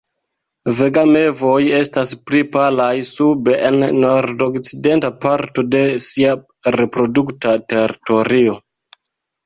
Vega mevoj estas pli palaj sube en la nordokcidenta parto de sia reprodukta teritorio.